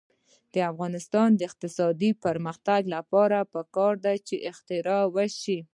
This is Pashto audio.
د افغانستان د اقتصادي پرمختګ لپاره پکار ده چې اختراع وشي.